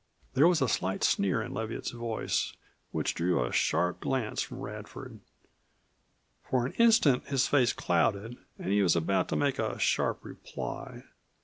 There was a slight sneer in Leviatt's voice which drew a sharp glance from Radford. For an instant his face clouded and he was about to make a sharp reply.